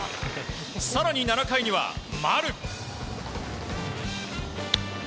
更に７回には丸。